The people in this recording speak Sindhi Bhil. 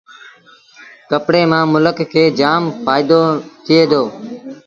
ڪپڙي مآݩ ملڪ کي جآم ڦآئيٚدو ٿئي دو